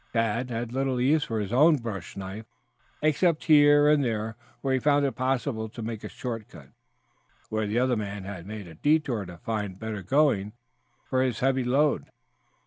Tad had little use for his own bush knife, except here and there where he found it possible to make a short cut where the other man had made a detour to find better going for his heavy load.